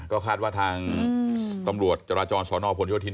ก็คาดว่าทางตำรวจจราจรสอนอผลโยธิน